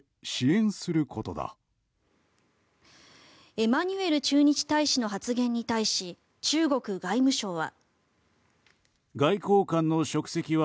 エマニュエル駐日大使の発言に対し中国外務省は。